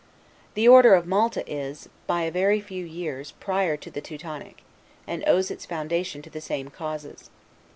The Order of Malta is, by a very few years, prior to the Teutonic, and owes its foundation to the same causes.